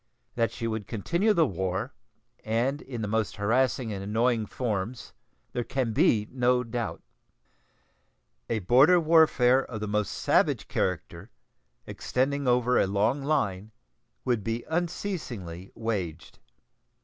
That she would continue the war, and in the most harassing and annoying forms, there can be no doubt. A border warfare of the most savage character, extending over a long line, would be unceasingly waged.